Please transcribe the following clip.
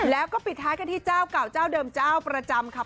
แล้วก็ปิดท้ายกันที่เจ้าเก่าเจ้าเดิมเจ้าประจำค่ะ